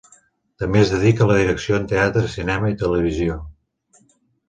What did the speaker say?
També es dedica a la direcció en teatre, cinema i televisió.